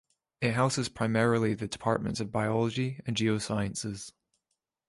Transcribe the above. It houses primarily the departments of biology and geosciences.